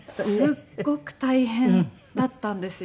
すごく大変だったんですよ。